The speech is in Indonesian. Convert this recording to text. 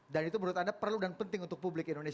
dan itu menurut anda perlu dan penting untuk publik indonesia